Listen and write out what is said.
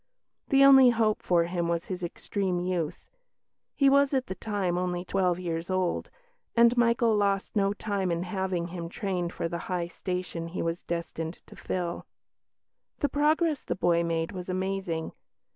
The only hope for him was his extreme youth he was at the time only twelve years old and Michael lost no time in having him trained for the high station he was destined to fill. The progress the boy made was amazing.